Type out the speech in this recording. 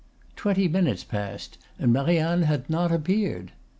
Twenty minutes passed and Marianne had not appeared.